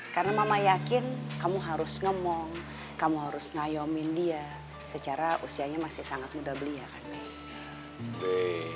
karena mama yakin kamu harus ngemong kamu harus ngayomin dia secara usianya masih sangat muda belia kan be